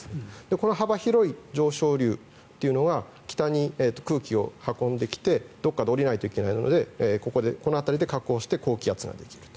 この幅広い上昇流というのは北に空気を運んできてどこかで下りないといけないのでこの辺りで下降して高気圧ができると。